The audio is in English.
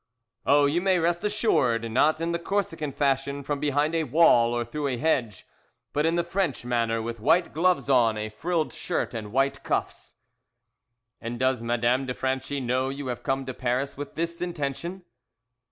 "Oh, you may rest assured, not in the Corsican fashion from behind a wall or through a hedge, but in the French manner, with white gloves on, a frilled shirt, and white cuffs." "And does Madame de Franchi know you have come to Paris with this intention?"